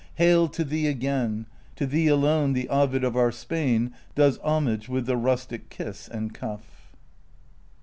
hail to thee again ! To thee alone the Ovid of our Spain Does homage with the rustic kiss and cuff.